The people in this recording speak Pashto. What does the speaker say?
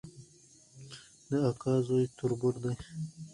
د اکا زوی تربور دی